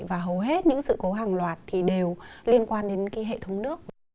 và hầu hết những sự cố hàng loạt thì đều liên quan đến cái hệ thống nước